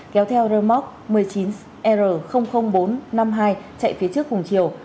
kéo theo rơ móc một mươi chín r bốn trăm năm mươi hai chạy phía trước cùng chiều